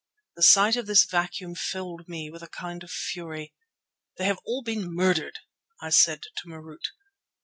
The sight of this vacuum filled me with a kind of fury. "They have all been murdered!" I said to Marût.